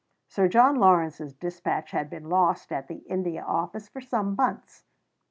Sir John Lawrence's dispatch had been lost at the India Office for some months (p.